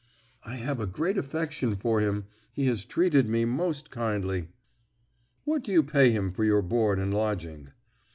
"I have a great affection for him; he has treated me most kindly." "What do you pay him for your board and lodging?"